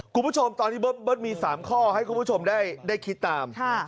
คุณผู้ชมตอนนี้เบิร์ตมี๓ข้อให้คุณผู้ชมได้คิดตาม